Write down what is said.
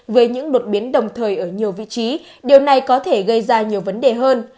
với những đột biến đồng thời ở nhiều vị trí điều này có thể gây ra nhiều vấn đề hơn